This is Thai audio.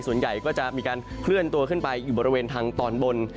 ส่วนใหญ่ก็จะมีการเคลื่อนตัวขึ้นไปอยู่บริเวณทางตอนบน